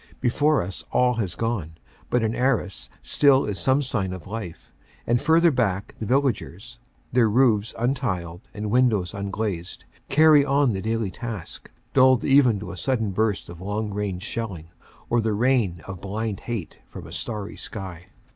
Before us all has gone, but in Arras still is some sign of life, and further back the villagers, their roofs untiled and windows unglazed, carry on the daily task, dulled even to a sudden burst of long range shelling or the rain of blind hate from a starry sky.